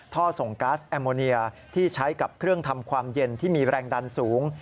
ท่อส่งก๊าซแอมโมเนียที่ใช้กับเครื่องทำความเย็นที่มีแรงดันสูง